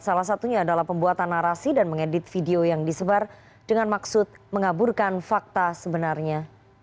salah satunya adalah pembuatan narasi dan mengedit video yang disebar dengan maksud mengaburkan fakta sebenarnya